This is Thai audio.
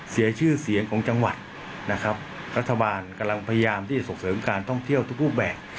เสียชื่อเสียงของจังหวัดนะครับรัฐบาลกำลังพยายามที่จะส่งเสริมการท่องเที่ยวทุกรูปแบบ